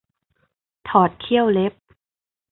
ถอดเขี้ยวเล็บ